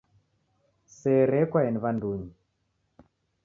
Sere yekwaeni w'andunyi.